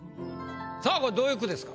さぁこれどういう句ですか？